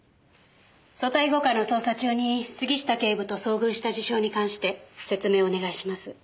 組対５課の捜査中に杉下警部と遭遇した事象に関して説明をお願いします。